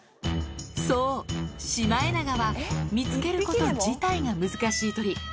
そう、シマエナガは見つけること自体が難しい鳥。